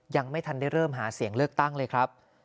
ยังไม่ทันได้เริ่มหาเสียงเลือกตั้งเลยครับ